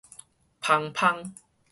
芳芳